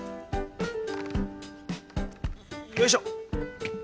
よいしょ。